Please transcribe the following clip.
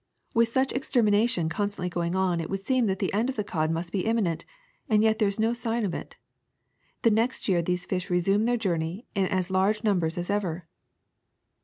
With such extermina CODFISH 287 tion constantly going on it would seem that the end of the cod must be imminent ; and yet there is no sign of it : the next year these fish resume their journey in as large numbers as ever.